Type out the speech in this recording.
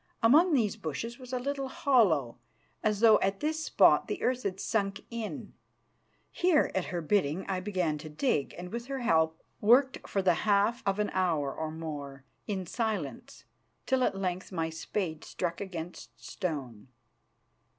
Among these bushes was a little hollow, as though at this spot the earth had sunk in. Here, at her bidding, I began to dig, and with her help worked for the half of an hour or more in silence, till at length my spade struck against a stone.